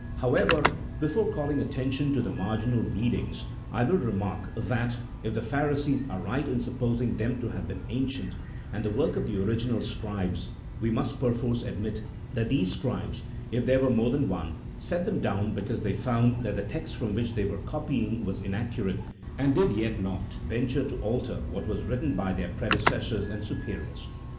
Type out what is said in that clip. However, before calling attention to the marginal read ings, I will remark that, if the Pharisees are right in sup posing them to have been ancient, and the work of the original scribes, we must perforce admit that these scribes (if there were more than one) set them down because they found that the text from which they were copying was inaccurate, and did yet not venture to alter what was written by their predecessors and superiors.